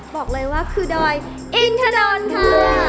บอกเลยว่าคือดอยอินทรดอนค่ะ